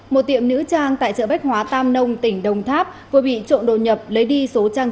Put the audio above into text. một tiệm nữ trang tại chợ bách hóa tam nông tỉnh đồng tháp vừa bị trộm đồ nhập lấy đi số trang